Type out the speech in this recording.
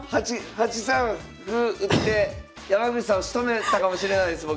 ８三歩打って山口さんをしとめたかもしれないです僕！